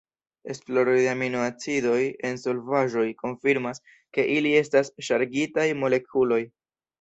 Esploroj de aminoacidoj en solvaĵoj konfirmas ke ili estas ŝargitaj molekuloj.